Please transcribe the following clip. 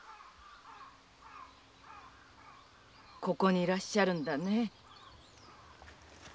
ここにいらっしゃるんだね。